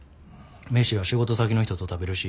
飯は仕事先の人と食べるし。